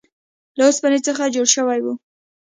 له اوسپنې څخه جوړ شوی و.